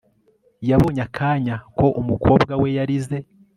yabonye akanya ko umukobwa we yarize